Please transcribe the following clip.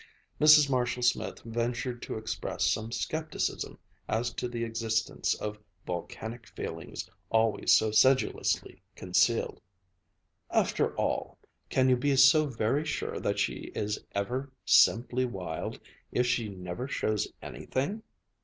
Mrs. Marshall Smith ventured to express some skepticism as to the existence of volcanic feelings always so sedulously concealed. "After all, can you be so very sure that she is ever 'simply wild' if she never shows anything?"